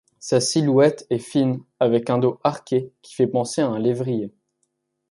Sa silhouette est fine avec un dos arqué qui fait penser à un lévrier.